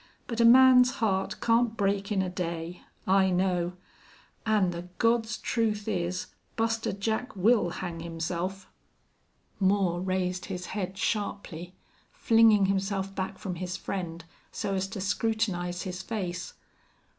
"But a man's heart can't break in a day. I know.... An' the God's truth is Buster Jack will hang himself!" Moore raised his head sharply, flinging himself back from his friend so as to scrutinize his face.